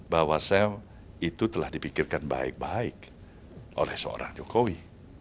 bahwasan itu telah dipikirkan baik baik oleh seorang jokowi